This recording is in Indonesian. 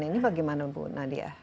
ini bagaimana bu nadia